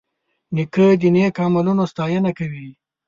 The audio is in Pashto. نیکه د نیک عملونو ستاینه کوي.